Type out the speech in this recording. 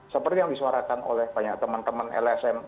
seperti yang disuarakan oleh banyak teman teman lsm